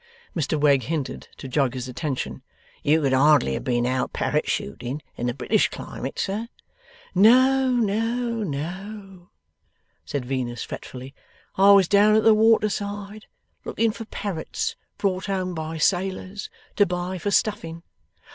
Mr Wegg hinted, to jog his attention: 'You could hardly have been out parrot shooting, in the British climate, sir?' 'No, no, no,' said Venus fretfully. 'I was down at the water side, looking for parrots brought home by sailors, to buy for stuffing.